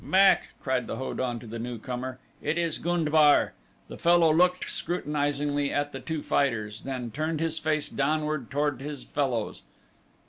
"Back!" cried the Ho don to the newcomer. "It is gund bar." The fellow looked scrutinizingly at the two fighters, then turned his face downward toward his fellows.